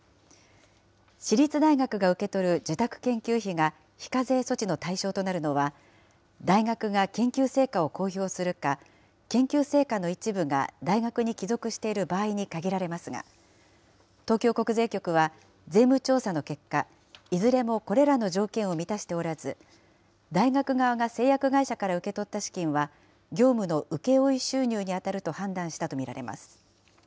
私立大学が受け取る受託研究費が非課税措置の対象となるのは、大学が研究成果を公表するか、研究成果の一部が大学に帰属している場合に限られますが、東京国税局は税務調査の結果、いずれもこれらの条件を満たしておらず、大学側が製薬会社から受け取った資金は、業務の請け負い収入に当たると判断したと見られます。